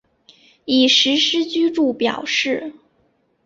已实施住居表示。